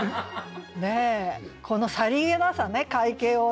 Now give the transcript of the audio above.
このさりげなさね会計をね